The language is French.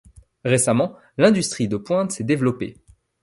Récemment, l'industrie de pointe s'est développée.